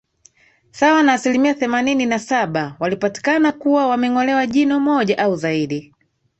sawa na asilimia themanini na saba walipatikana kuwa wamengolewa jino moja au zaidi